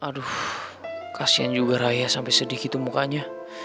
aduh kasihan juga raya sampe sedih gitu mukanya